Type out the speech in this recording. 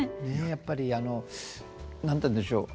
やっぱりあの何て言うんでしょう